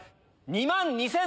２万２３００円。